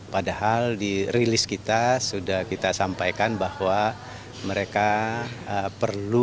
padahal di rilis kita sudah kita sampaikan bahwa mereka perlu